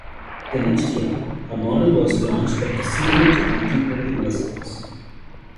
The next year, a model was launched that was similar to contemporary Mercedes.